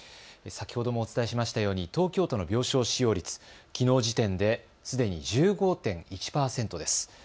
先ほどもお伝えしましたように東京都の病床使用率、きのう時点ですでに１５．１％です。